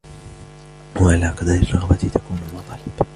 وَعَلَى قَدْرِ الرَّغْبَةِ تَكُونُ الْمَطَالِبُ